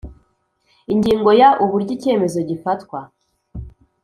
Ingingo ya Uburyo icyemezo gifatwa